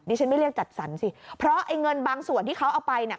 ฉันไม่เรียกจัดสรรสิเพราะไอ้เงินบางส่วนที่เขาเอาไปน่ะ